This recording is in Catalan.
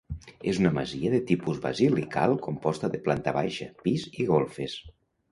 És una masia de tipus basilical composta de planta baixa, pis i golfes.